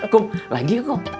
kum lagi ya kum